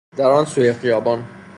در آن سوی خیابان